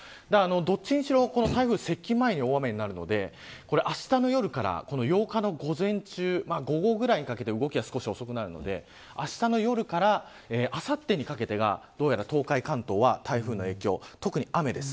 どっちにしろ台風、接近前に大雨になるのであしたの夜から８日の午前中、午後くらいにかけて動きが少し遅くなるのであしたの夜からあさってにかけてがどうやら東海、関東は台風の影響、特に雨です。